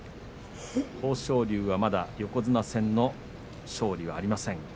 豊昇龍は、まだ横綱戦の勝利はありません。